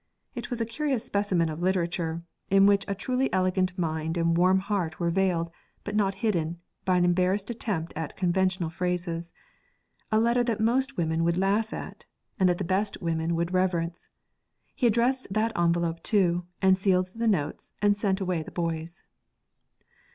It was a curious specimen of literature, in which a truly elegant mind and warm heart were veiled, but not hidden, by an embarrassed attempt at conventional phrases a letter that most women would laugh at, and that the best women would reverence. He addressed that envelope too, and sealed the notes and sent away the boys.